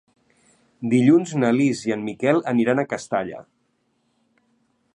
Dilluns na Lis i en Miquel aniran a Castalla.